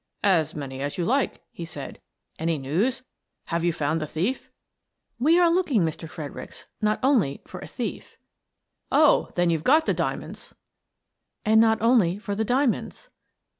"As many as you like/' he said. "Any news? Have you found the thief? "" We are looking, Mr. Fredericks, not only for a thief." "Oh, then you've got the diamonds?" " And not only for the diamonds."